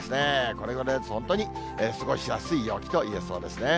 これぐらいだと本当に過ごしやすい陽気といえそうですね。